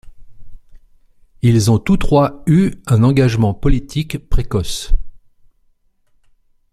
Ils ont tous trois eu un engagement politique précoce.